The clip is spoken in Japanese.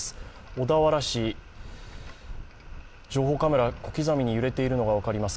小田原市情報カメラ、小刻みに揺れているのが分かります。